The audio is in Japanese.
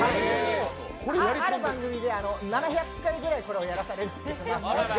ある番組で７００回ぐらいこれをやらされて。